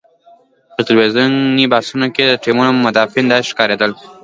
په ټلویزیوني بحثونو کې د ټیمونو مدافعین داسې ښکارېدل.